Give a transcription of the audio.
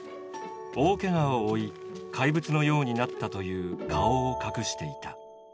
大けがを負い怪物のようになったという顔を隠していた。